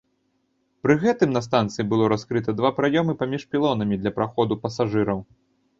Пры гэтым на станцыі было раскрыта два праёмы паміж пілонамі для праходу пасажыраў.